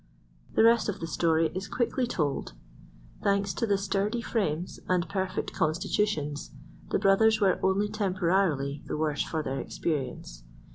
The rest of the story is quickly told. Thanks to the sturdy frames and perfect constitutions, the brothers were only temporarily the worse for their experience.